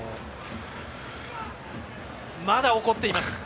まだ怒っています。